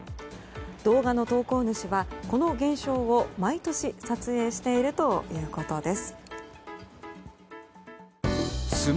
動画の投稿主はこの現象を毎年撮影しているということです。